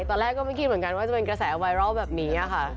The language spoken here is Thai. ตอนแรกก็ไม่คิดเหมือนกันว่าจะเป็นกระแสไวรัลแบบนี้ค่ะ